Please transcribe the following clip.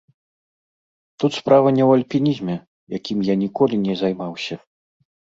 Тут справа не ў альпінізме, якім я ніколі не займаўся.